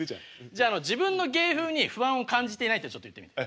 じゃあ「自分の芸風に不安を感じていない」ってちょっと言ってみて。